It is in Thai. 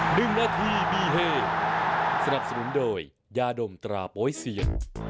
หนึ่งนาทีมีเฮสนับสนุนโดยยาดมตราโป๊ยเซียน